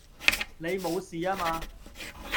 你冇事吖嘛?